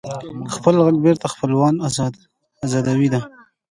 خپل غږ بېرته خپلول ازادي ده.